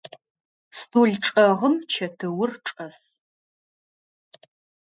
Стол чӏэгъым чэтыур чӏэс.